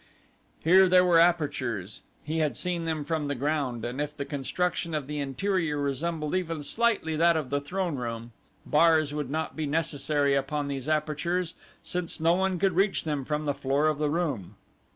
Here there were apertures. He had seen them from the ground, and if the construction of the interior resembled even slightly that of the throneroom, bars would not be necessary upon these apertures, since no one could reach them from the floor of the room.